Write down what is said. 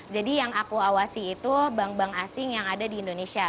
jadi yang aku awasi itu bank bank asing yang ada di indonesia